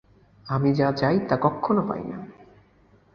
আমি যা চাই তা কক্ষনো পাই না!